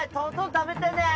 食べてね。